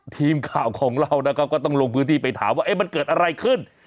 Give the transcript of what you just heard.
ทีมข่าวของเรานะครับก็ต้องลงพื้นที่ไปถามว่ามันเกิดอะไรขึ้น